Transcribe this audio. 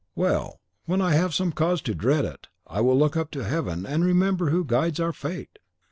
well, when I have cause to dread it, I will look up to heaven, and remember who guides our fate!"